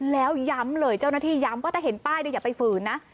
แล้วย้ำเลยเจ้าหน้าที่ย้ำว่าถ้าเห็นป้ายอย่าไปฝืนนะ